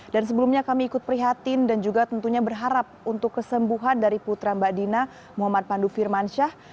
dan sebelumnya kami ikut perhatian dan juga tentunya berharap untuk kesembuhan dari putra mbak dina muhammad pandu firmansyah